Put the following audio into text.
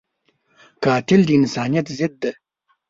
قاتل د انسانیت ضد دی